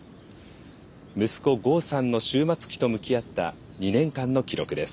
息子剛さんの終末期と向き合った２年間の記録です。